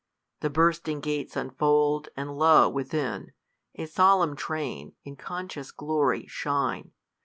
The bursting gates unfold : and lo, within, A solemn train, in conscious glory, shine.